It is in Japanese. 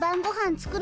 作る